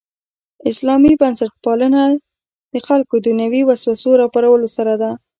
اسلامي بنسټپالنه د خلکو دنیوي وسوسو راپارولو سره ده.